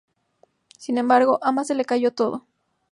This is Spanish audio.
Sin embargo, a Más se le cayó todo.